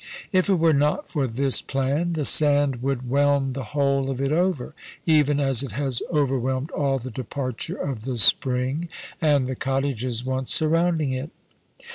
If it were not for this plan, the sand would whelm the whole of it over; even as it has overwhelmed all the departure of the spring, and the cottages once surrounding it.